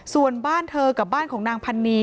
ส่วนบ้านเธอกับบ้านของนางพันนี